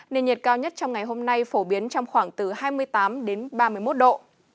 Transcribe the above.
nền nhiệt cao nhất trong ngày hôm nay phổ biến trong khoảng từ hai mươi tám đến ba mươi một độ